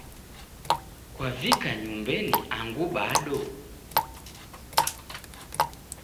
Kwavika nyumbenyi angu bado.